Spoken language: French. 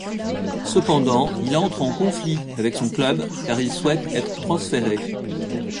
Cependant, il entre en conflit avec son club car il souhaite être transféré.